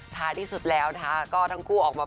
ท้ายที่สุดแล้วนะคะก็ทั้งคู่ออกมา